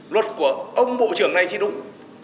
luật của ông bộ trưởng này thì đúng